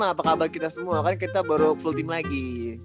apa kabar kita semua kita baru full tim lagi